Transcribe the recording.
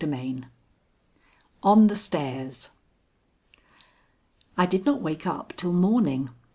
VIII ON THE STAIRS I did not wake up till morning.